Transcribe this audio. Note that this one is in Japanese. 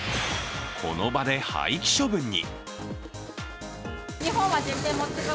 この場で廃棄処分に。